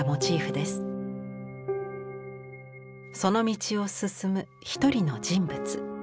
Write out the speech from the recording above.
その道を進むひとりの人物。